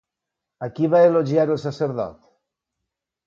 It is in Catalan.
A qui va elogiar el sacerdot?